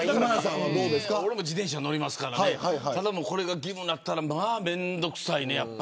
俺も自転車、乗りますからこれが義務になったらやっぱり面倒くさいね。